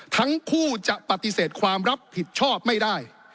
ทั้งคู่จะปฏิเสธความรับผิดชอบไม่ได้